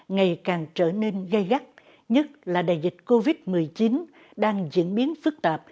ngày càng trở nên gây gắt nhất là đại dịch covid một mươi chín đang diễn biến phức tạp